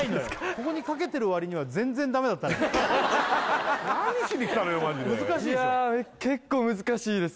ここにかけてる割には全然ダメだったね何しにきたのよマジでいや結構難しいです